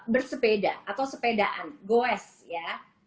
bersepeda atau sepedaan goes ya